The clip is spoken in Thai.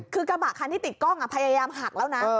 คือกระบะคันที่ติดกล้องพยายามหักแล้วนะ